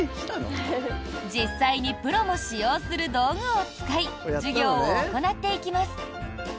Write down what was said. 実際にプロも使用する道具を使い授業を行っていきます。